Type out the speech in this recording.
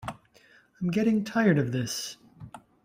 I’m getting tired of this.